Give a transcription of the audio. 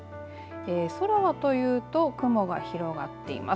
空はというと雲が広がっています。